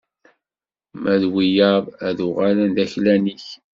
Ma d wiyaḍ ad uɣalen d aklan-ik!